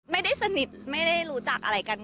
ไม่ได้สนิทไม่ได้รู้จักอะไรกัน